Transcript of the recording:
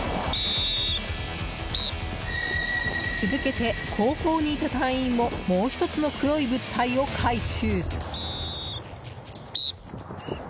続けて、後方にいた隊員ももう１つの黒い物体を回収。